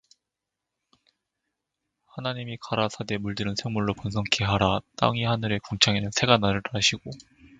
하나님이 가라사대 물들은 생물로 번성케 하라 땅위 하늘의 궁창에는 새가 날으라 하시고